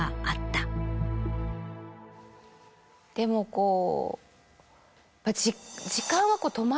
でもこう。